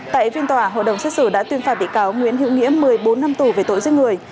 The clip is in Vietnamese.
tại phiên tòa hội đồng xét xử đã tuyên phạt bị cáo nguyễn hữu nghĩa một mươi bốn năm tù về tội giết người